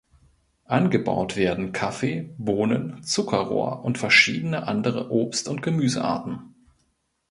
Angebaut werden Kaffee, Bohnen, Zuckerrohr und verschiedene andere Obst- und Gemüsearten.